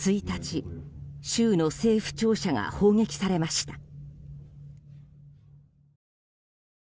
１日、州の政府庁舎が砲撃されました。